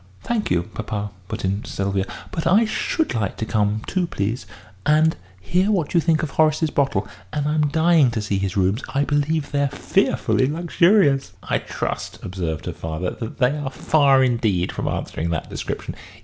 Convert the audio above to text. "Thank you, papa," put in Sylvia; "but I should like to come too, please, and hear what you think of Horace's bottle. And I'm dying to see his rooms. I believe they're fearfully luxurious." "I trust," observed her father, "that they are far indeed from answering that description.